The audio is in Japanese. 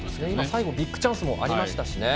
最後にビッグチャンスもありましたしね。